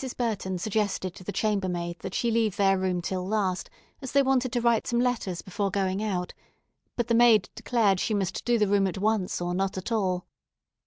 Burton suggested to the chambermaid that she leave their room till last, as they wanted to write some letters before going out; but the maid declared she must do the room at once or not at all.